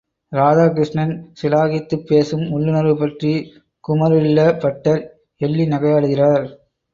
ராதாகிருஷ்ணன் சிலாகித்துப் பேசும் உள்ளுணர்வு பற்றி குமரில்லபட்டர் எள்ளி நகையாடுகிறார்.